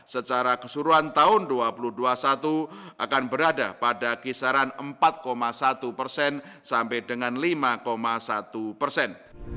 secara keseluruhan tahun dua ribu dua puluh satu akan berada pada kisaran empat satu persen sampai dengan lima satu persen